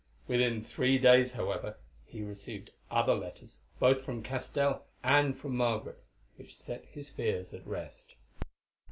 Within three days, however, he received other letters both from Castell and from Margaret, which set his fears at rest.